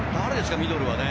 ミドルは。